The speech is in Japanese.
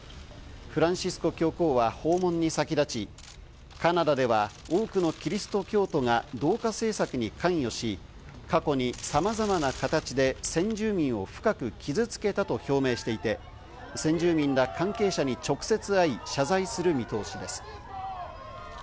フランシスコ教皇は訪問に先立ち、カナダでは、多くのキリスト教徒が同化政策に関与し、過去にさまざまな形で先住民を深く傷付けたと表明していて、先住民ら関係者に直接会い、謝罪する見通しです。